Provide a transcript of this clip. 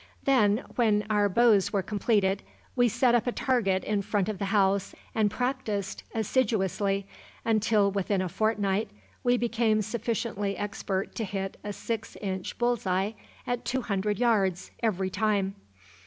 Then, when our bows were completed, we set up a target in front of the house and practised assiduously, until within a fortnight we became sufficiently expert to hit a six inch bull's eye, at two hundred yards, every time.